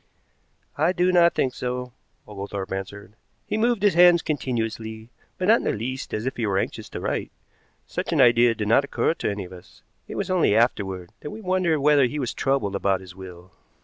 "I do not think so," Oglethorpe answered. "He moved his hands continuously, but not in the least as if he were anxious to write. Such an idea did not occur to any of us. It was only afterward that we wondered whether he was troubled about his will."